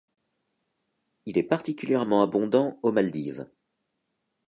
Il est particulièrement abondant aux Maldives.